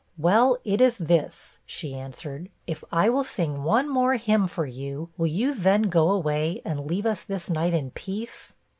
'Well, it is this,' she answered; 'if I will sing one more hymn for you, will you then go away, and leave us this night in peace?'